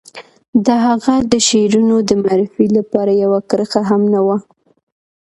د هغه د شعرونو د معرفي لپاره يوه کرښه هم نه وه.